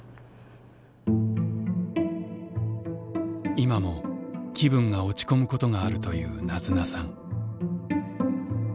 今も気分が落ち込むことがあるというなずなさん。